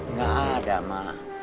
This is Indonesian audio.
nggak ada ma